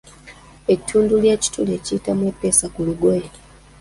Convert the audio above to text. Ettundu ky’ekituli ekiyitamu eppeesa ku lugoye.